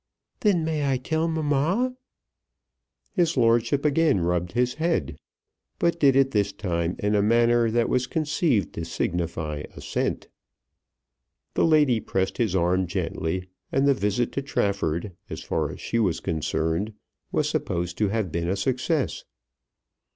"Then I may tell mamma?" His lordship again rubbed his head, but did it this time in a manner that was conceived to signify assent. The lady pressed his arm gently, and the visit to Trafford, as far as she was concerned, was supposed to have been a success.